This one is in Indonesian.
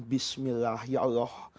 bismillah ya allah